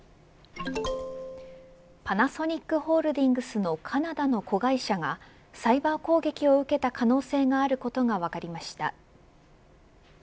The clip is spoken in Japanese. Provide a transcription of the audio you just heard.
パナソニックホールディングスのカナダの子会社がサイバー攻撃を受けた可能性があることが分かりました。